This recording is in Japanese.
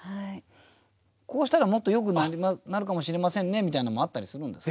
こうしたらもっとよくなるかもしれませんねみたいなのもあったりするんですか？